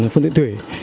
phương tiện thủy